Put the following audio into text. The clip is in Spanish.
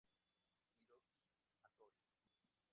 Hiroki Hattori